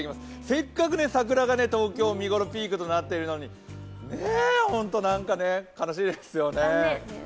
せっかく桜が東京、見ごろ、ピークとなっているのにほんと悲しいですよね。